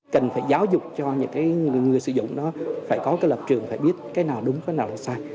cần phải giáo dục cho những người sử dụng đó phải có lập trường phải biết cái nào đúng cái nào sai